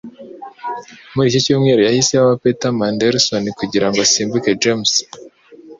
Muri iki cyumweru yahisemo Peter Mandelson kugirango asimbure james